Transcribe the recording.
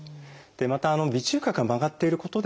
また鼻中隔が曲がっていることでですね